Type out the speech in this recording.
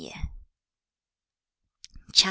CHAP.